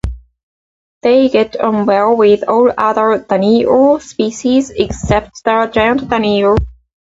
They get on well with all other "Danio" species except the giant danio.